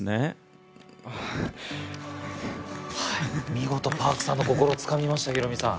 見事Ｐａｒｋさんの心つかみましたヒロミさん。